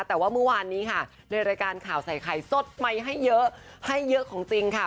แต่ว่าเมื่อวานนี้ค่ะในรายการข่าวใส่ไข่สดใหม่ให้เยอะให้เยอะของจริงค่ะ